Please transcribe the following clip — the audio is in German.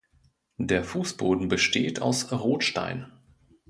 Der Fußboden besteht auch aus Rotstein.